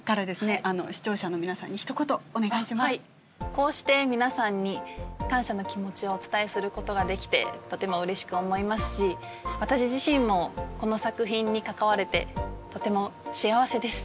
こうして皆さんに感謝の気持ちをお伝えすることができてとてもうれしく思いますし私自身もこの作品に関われてとても幸せです。